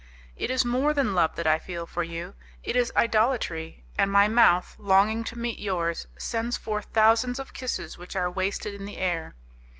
It is more than love that I feel for you, it is idolatry; and my mouth, longing to meet yours, sends forth thousands of kisses which are wasted in the air.